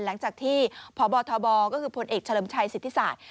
หลังจากที่พบทบก็คือผลเอกเฉลิมชัยสิทธิศาสตร์